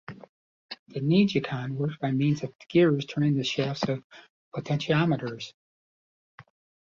The neGcon worked by means of gears turning the shafts of potentiometers.